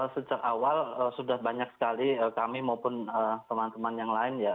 sejak awal sudah banyak sekali kami maupun teman teman yang lain ya